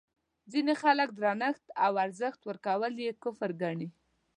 ځینې خلک درنښت او ارزښت ورکول یې کفر ګڼي.